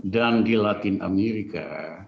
dan di latin amerika